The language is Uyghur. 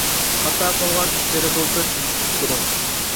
خاتا قىلغان ئىشلىرى بولسا تۈزىتىپ تۇرۇڭ.